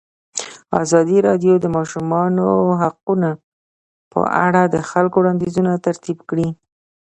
ازادي راډیو د د ماشومانو حقونه په اړه د خلکو وړاندیزونه ترتیب کړي.